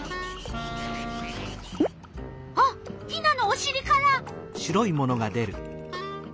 あっヒナのおしりから。